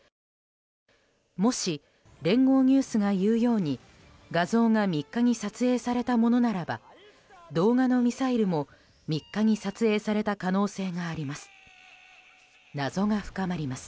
もし、聯合ニュースがいうように画像が３日に撮影されたものならば動画のミサイルも３日に撮影された可能性があります。